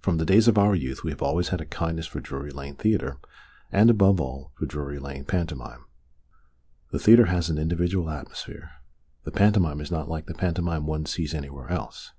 From the days of our youth we have always had a kindness for Drury Lane Theatre, and, above all, for Drury Lane pantomime. The theatre has an individual atmosphere, the pantomime is not like the pantomime one sees anywhere else.